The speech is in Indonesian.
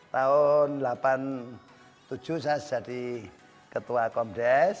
tahun delapan puluh tujuh saya jadi ketua komdes